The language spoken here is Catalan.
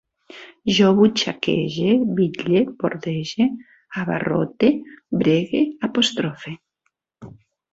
Jo butxaquege, bitle, bordege, abarrote, bregue, apostrofe